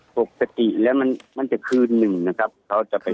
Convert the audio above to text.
ปกติแล้วมันมันจะคืนหนึ่งนะครับเขาจะไป